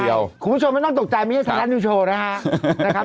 คุณผู้ชมไม่ต้องตกใจไม่ใช่ไทยรัฐนิวโชว์นะครับ